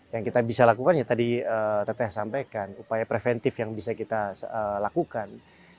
yang kita bisa lakukan ya tadi teteh sampaikan upaya preventif yang bisa kita lakukan